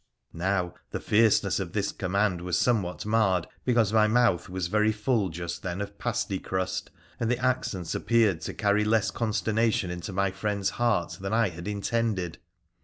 Now, the fierceness of this command was somewhat marred, be cause my mouth was very full just then of pastie crust, and the accents appeared to carry less consternation into my friend's heart than I had intended.